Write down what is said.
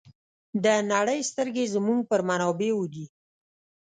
د نړۍ سترګې زموږ پر منابعو دي.